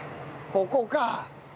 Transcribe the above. ここか。